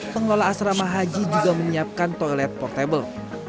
pengelola asrama haji juga menyiapkan toilet portable